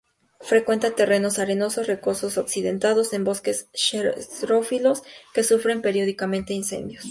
Frecuenta terrenos arenosos, rocosos o accidentados, en bosques xerófilos que sufren periódicamente incendios.